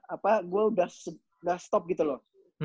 apa gue udah stop gitu loh